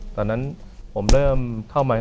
ตอนนั้นผมเริ่มเข้ามา